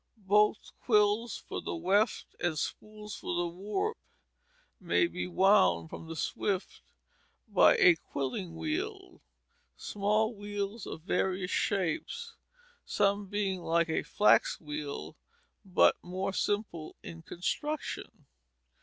Both quills for the weft and spools for the warp may be wound from the swift by a quilling wheel, small wheels of various shapes, some being like a flax wheel, but more simple in construction.